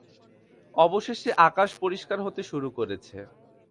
অবশেষে আকাশ পরিষ্কার হতে শুরু করেছে!